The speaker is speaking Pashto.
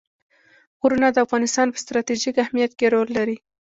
غرونه د افغانستان په ستراتیژیک اهمیت کې رول لري.